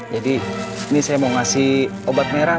jadi ini saya mau ngasih obat merah